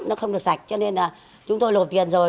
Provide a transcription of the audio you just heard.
nó không được sạch cho nên là chúng tôi lộp tiền rồi